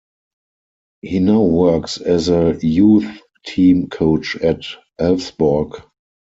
He now works as a youth team coach at Elfsborg.